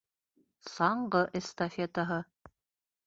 Саңғы эстафетаһы